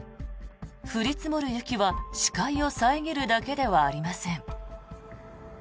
降り積もる雪は視界を遮るだけではありません。